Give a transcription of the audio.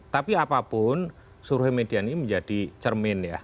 tapi apapun suruhi mediani menjadi cermin ya